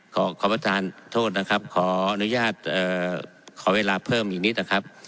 ขอขอประทานโทษนะครับขออนุญาตขอเวลาเพิ่มอีกนิดนะครับ